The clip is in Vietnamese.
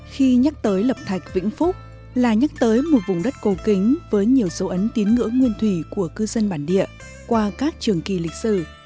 khi nhắc tới lập thạch vĩnh phúc là nhắc tới một vùng đất cổ kính với nhiều dấu ấn tín ngưỡng nguyên thủy của cư dân bản địa qua các trường kỳ lịch sử